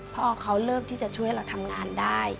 พอเขาเริ่มที่จะช่วยเราทำงานได้